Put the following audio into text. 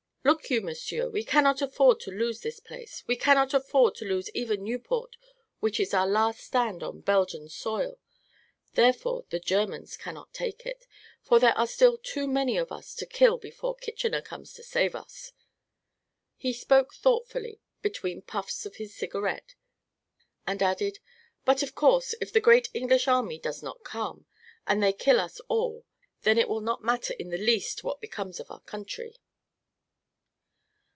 Look you, m'sieur; we cannot afford to lose this place. We cannot afford to lose even Nieuport, which is our last stand on Belgian soil. Therefore, the Germans cannot take it, for there are still too many of us to kill before Kitchener comes to save us." He spoke thoughtfully, between puffs of his cigarette, and added: "But of course, if the great English army does not come, and they kill us all, then it will not matter in the least what becomes of our country."